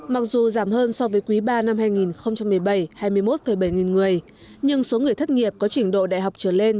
mặc dù giảm hơn so với quý ba năm hai nghìn một mươi bảy hai mươi một bảy nghìn người nhưng số người thất nghiệp có trình độ đại học trở lên